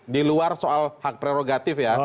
diluar soal hak prerogatif ya